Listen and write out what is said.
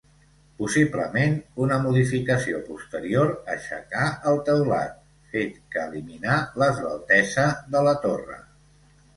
Possiblement, una modificació posterior aixecà el teulat, fet que eliminà l'esveltesa de la torre.